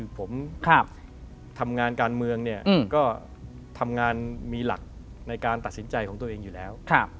ผมทำงานการเมืองก็ทำงานมีหลักในการตัดสินใจของตัวเองอยู่แล้ว